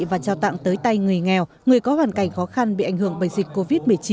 và trao tặng tới tay người nghèo người có hoàn cảnh khó khăn bị ảnh hưởng bởi dịch covid một mươi chín